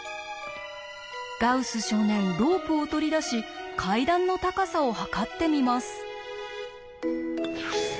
ガウス少年ロープを取り出し階段の高さを測ってみます。